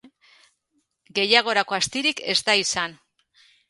Gehiagorako astirik ez da izan.